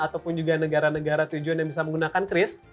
ataupun juga negara negara tujuan yang bisa menggunakan kris